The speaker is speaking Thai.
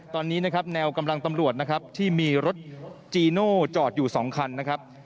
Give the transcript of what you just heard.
ตอนนี้นะครับแนวกำลังตำรวจนะครับที่มีรถจีโน่จอดอยู่สองคันนะครับ